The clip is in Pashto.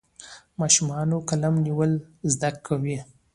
ماشومان قلم نیول زده کوي.